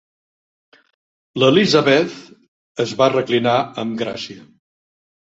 L'Elizabeth es va reclinar amb gràcia.